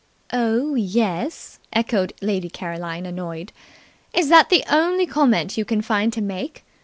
"Oh, yes!" echoed Lady Caroline, annoyed. "Is that the only comment you can find to make?